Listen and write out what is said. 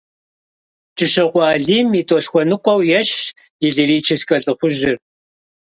КӀыщокъуэ алим и тӀолъхуэныкъуэу ещхьщ и лирическэ лӀыхъужьыр.